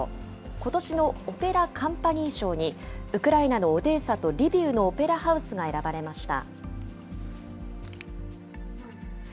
ことしのオペラ・カンパニー賞に、ウクライナのオデーサとリビウのオペラハウスが選ばれました。